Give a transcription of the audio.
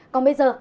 còn bây giờ